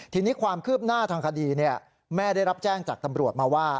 ทีนี้ความคืบหน้าทางคดีแม่ได้รับแจ้งจากตำรวจมาว่า